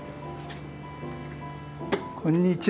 こんにちは。